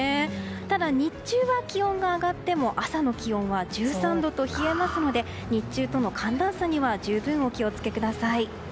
ただ、日中は気温が上がっても朝の気温は１３度と冷えますので日中との寒暖差には十分お気を付けください。